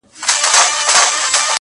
د دې قوم نصیب یې کښلی پر مجمر دی؛